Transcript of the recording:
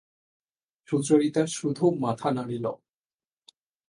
সুচরিতা শুধু মাথা নাড়িল।